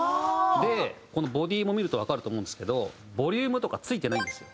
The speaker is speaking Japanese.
でこのボディーも見るとわかると思うんですけどボリュームとかついてないんですよ。